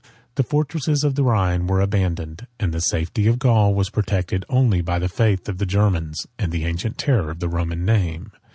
The fortresses of the Rhine were abandoned; and the safety of Gaul was protected only by the faith of the Germans, and the ancient terror of the Roman name.